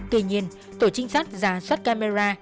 tuy nhiên tổ trinh sát giả soát camera